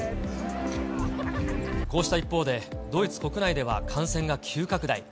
こうした一方で、ドイツ国内では感染が急拡大。